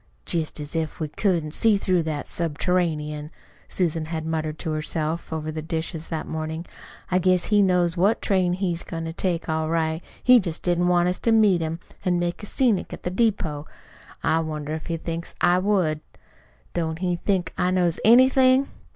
"Jest as if we couldn't see through that subterranean!" Susan had muttered to herself over the dishes that morning. "I guess he knows what train he's goin' to take all right. He jest didn't want us to meet him an' make a scenic at the depot. I wonder if he thinks I would! Don't he think I knows anything?"